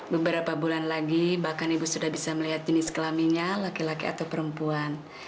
beberapa bulan lagi bahkan ibu sudah bisa melihat jenis kelaminnya laki laki atau perempuan